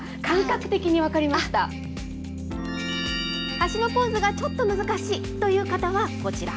橋のポーズがちょっと難しいという方はこちら。